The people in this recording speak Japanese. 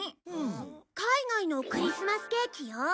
海外のクリスマスケーキよ。